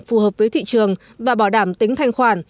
phù hợp với thị trường và bảo đảm tính thanh khoản